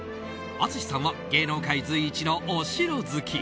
淳さんは芸能界随一のお城好き。